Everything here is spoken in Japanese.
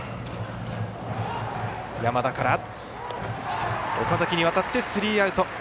山田から岡崎に渡ってスリーアウト。